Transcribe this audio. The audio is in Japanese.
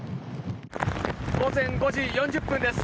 午前５時４０分です。